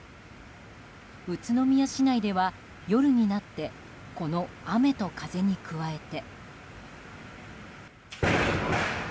宇都宮市内では夜になってこの雨と風に加えて。